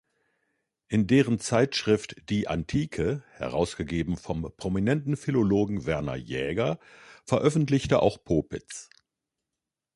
In deren Zeitschrift "Die Antike", herausgegeben vom prominenten Philologen Werner Jaeger, veröffentlichte auch Popitz.